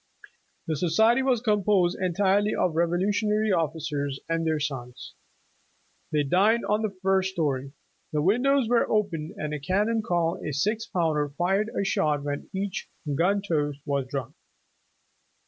The Society was composed entirely of Revolutionary Officers, and their sons. They dined on the first storv. The windows were opened, and a 88 Independence Day cannon, called a six pounder, fired a shot when each gun toast was drunk.